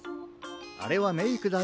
あれはメイクだよ。